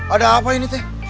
ada apa ini teh